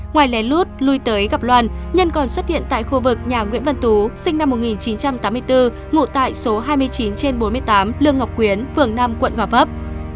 ngoài lén lút lui tới gặp loan nhân còn xuất hiện tại khu vực nhà nguyễn văn tú sinh năm một nghìn chín trăm tám mươi bốn ngụ tại số hai mươi chín trên bốn mươi tám lương ngọc quyến phường năm quận gò vấp